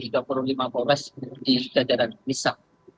di tiga puluh lima bores di daerah nisa